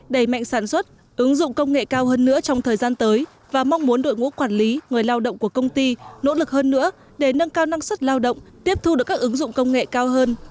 đẩy mạnh sản xuất ứng dụng công nghệ cao hơn nữa trong thời gian tới và mong muốn đội ngũ quản lý người lao động của công ty nỗ lực hơn nữa để nâng cao năng suất lao động tiếp thu được các ứng dụng công nghệ cao hơn